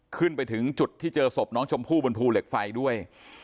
ขึ้นไปถึงจุดที่เจอศพน้องชมพู่บนภูเหล็กไฟด้วย